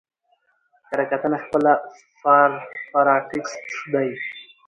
کره کتنه خپله پاراټيکسټ دئ.